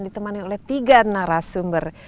ditemani oleh tiga narasumber